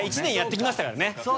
１年やって来ましたからね。